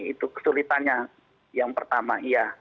itu kesulitannya yang pertama